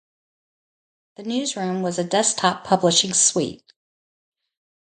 "The Newsroom" was a desktop publishing suite.